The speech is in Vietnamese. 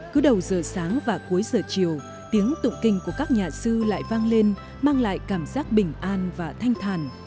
cứ đầu giờ sáng và cuối giờ chiều tiếng tụng kinh của các nhà sư lại vang lên mang lại cảm giác bình an và thanh thàn